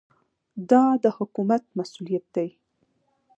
دا د حکومت مسوولیت دی.